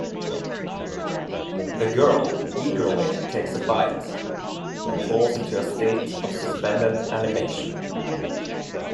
The girl eagerly takes a bite and falls into a state of suspended animation.